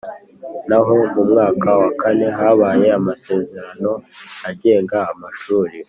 naho mu mwaka wa kanehabaye amasezerano agenga amashuri